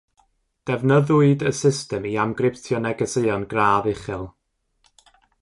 Defnyddiwyd y system i amgryptio negeseuon gradd uchel.